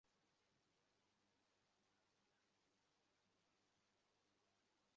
বিপদ এড়াতে তাই আপাতত বিদ্যালয় অনির্দিষ্টকালের জন্য বন্ধ ঘোষণা করা হয়েছে।